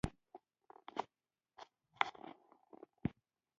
دی هم په اکبر جان پسې شو له کوره ووت.